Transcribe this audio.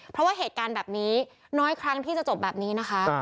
เพราะว่าเหตุการณ์แบบนี้น้อยครั้งที่จะจบแบบนี้นะคะ